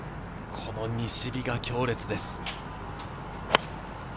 この西日が強烈です。